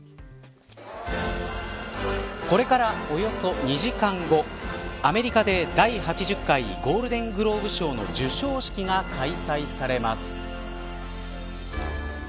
これから、およそ２時間後アメリカで第８０回ゴールデン・グローブ賞の授賞式が開催されます。